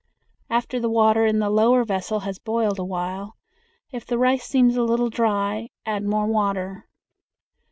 After the water in the lower vessel has boiled a while, if the rice seems a little dry, add more water.